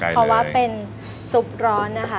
เพราะว่าเป็นซุปร้อนนะคะ